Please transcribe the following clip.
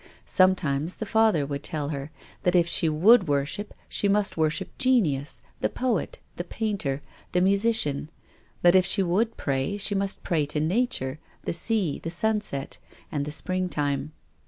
Sometimes the father would tell her that if she would worship she must worship genius, the poet, the painter, the musician ; that if she would pray she must pray to Nature, the sea, the sunset and the sj)ringtime.